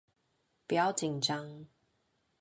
不要緊張